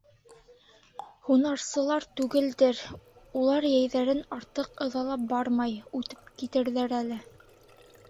«Һунарсылар түгелдер, улар йәйҙәрен артыҡ ыҙалап бармай, үтеп китерҙәр әле».